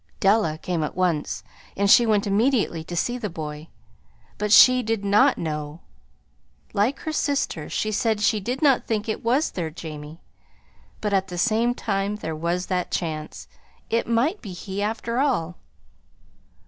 Della came at once, and she went immediately to see the boy; but she did not "know." Like her sister, she said she did not think it was their Jamie, but at the same time there was that chance it might be he, after all.